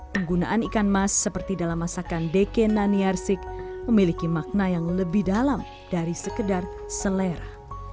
penggunaan ikan mas seperti dalam masakan deke naniarsik memiliki makna yang lebih dalam dari sekedar selera